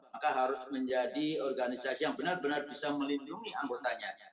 maka harus menjadi organisasi yang benar benar bisa melindungi anggotanya